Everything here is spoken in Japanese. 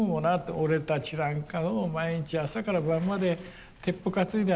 俺たちなんかもう毎日朝から晩まで鉄砲担いであれしたんだよ。